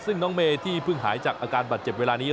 ซึ่งน้องเมย์ที่เพิ่งหายจากอาการบาดเจ็บเวลานี้